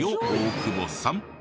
大久保さん。